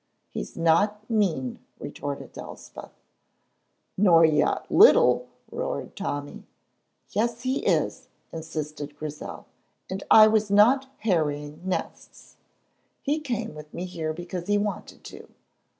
"He's not mean!" retorted Elspeth. "Nor yet little!" roared Tommy. "Yes, he is," insisted Grizel, "and I was not harrying nests. He came with me here because he wanted to."